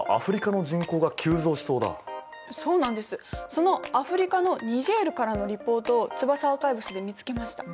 そのアフリカのニジェールからのリポートをツバサアーカイブスで見つけました。